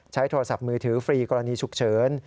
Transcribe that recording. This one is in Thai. โทรศัพท์มือถือฟรีกรณีฉุกเฉิน